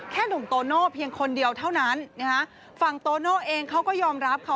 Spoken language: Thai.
แค่หนุ่มโตโน่เพียงคนเดียวเท่านั้นฟังโตโน่เองเขาก็ยอมรับเขา